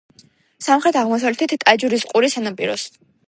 სამხრეთ-აღმოსავლეთით ტაჯურის ყურის სანაპიროს.